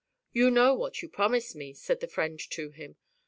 " You know what you promised me," said his friend to him.